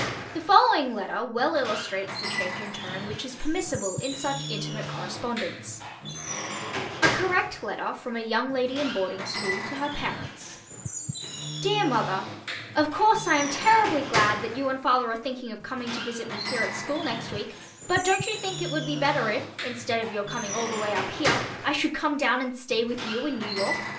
The following letter well illustrates the change in tone which is permissible in such intimate correspondence: A Correct Letter from a Young Lady in Boarding School to Her Parents DEAR MOTHER: Of course I am terribly glad that you and father are thinking of coming to visit me here at school next week, but don't you think it would be better if, instead of your coming all the way up here, I should come down and stay with you in New York?